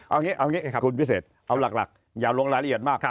เอาอย่างนี้คุณพิเศษเอาหลักอย่าลงรายละเอียดมาก